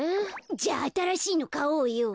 じゃああたらしいのかおうよ。